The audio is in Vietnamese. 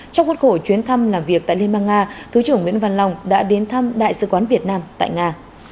trong khuất khổ chuyến thăm làm việc tại liên bang nga thứ trưởng nguyễn văn long đã đến thăm đại sứ quán việt nam tại nga